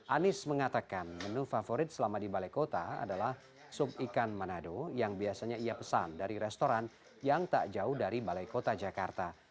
anies mengatakan menu favorit selama di balai kota adalah sup ikan manado yang biasanya ia pesan dari restoran yang tak jauh dari balai kota jakarta